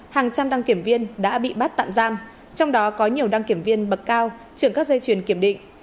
hàng trăm đăng kiểm viên đã bị bắt tạm giam trong đó có nhiều đăng kiểm viên bậc cao trưởng các dây chuyền kiểm định